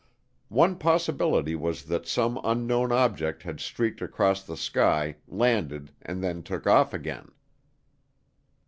One possibility was that some unknown object had streaked across the sky, landed and then took off again.